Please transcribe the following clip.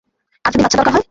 আর যদি বাচ্চা দরকার হয়?